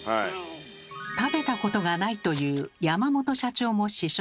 食べたことがないという山本社長も試食。